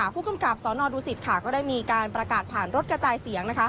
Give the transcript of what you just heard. ผู้กำกับสนดูสิตก็ได้มีการประกาศผ่านรถกระจายเสียง